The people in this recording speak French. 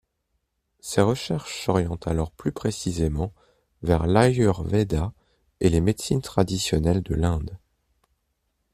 Ses recherches s'orientent alors plus précisément vers l'Ayurveda et les médecines traditionnelles de l'Inde.